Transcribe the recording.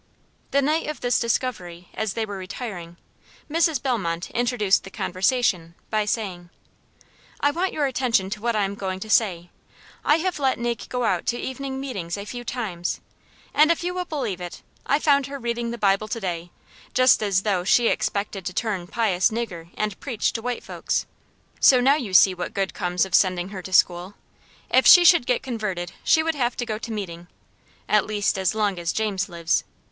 The night of this discovery, as they were retiring, Mrs. Bellmont introduced the conversation, by saying: "I want your attention to what I am going to say. I have let Nig go out to evening meetings a few times, and, if you will believe it, I found her reading the Bible to day, just as though she expected to turn pious nigger, and preach to white folks. So now you see what good comes of sending her to school. If she should get converted she would have to go to meeting: at least, as long as James lives.